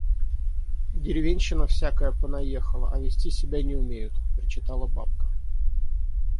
«Деревенщина всякая понаехала, а вести себя не умеют» — причитала бабка.